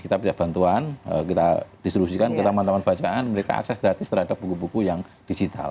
kita punya bantuan kita distribusikan ke teman teman bacaan mereka akses gratis terhadap buku buku yang digital